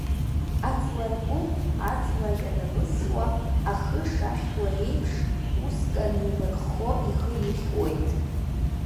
Аҵларкәыкә аҵла ианамысуа ахы шахьуа еиԥш, уск анимырххо ихы ихьуеит.